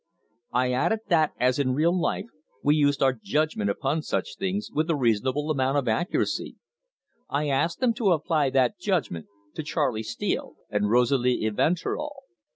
I added that, as in real life we used our judgment upon such things with a reasonable amount of accuracy, I asked them to apply that judgment to Charley Steele and Rosalie Evanturel.